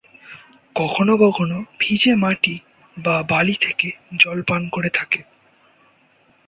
কখনও কখনও ভিজে মাটি বা বালি থেকে জল পান করে থাকে।